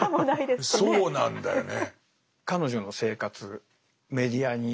そうなんだよね。